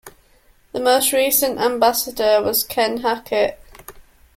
The most recent Ambassador was Ken Hackett.